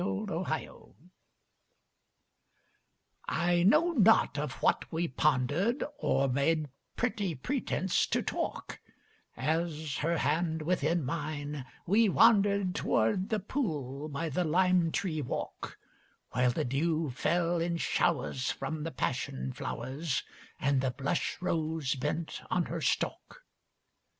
6 Autoplay I KNOW not of what we ponderŌĆÖd Or made pretty pretence to talk, As, her hand within mine, we wanderŌĆÖd TowŌĆÖrd the pool by the lime tree walk, While the dew fell in showers from the passion flowers And the blush rose bent on her stalk.